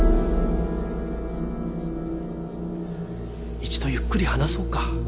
一度ゆっくり話そうか。